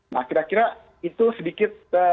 nah kira kira itu sedikit